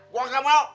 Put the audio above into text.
gue nggak mau